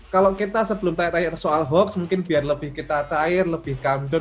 kalau kita sebelum tanya tanya soal hoax mungkin biar lebih kita cair lebih gamdur